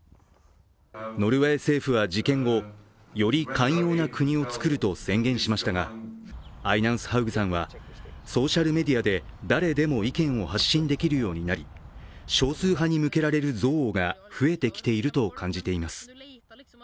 ノルウェー政府は事件後、より寛容な国をつくると宣言しましたがアイナンスハウグさんはソーシャルメディアで誰でも意見を発信できるようになり、少数派に向けられる憎悪が増えてきていると感じています。